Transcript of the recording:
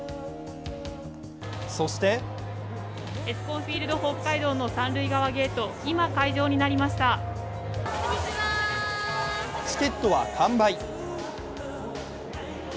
そしてチケットは完売。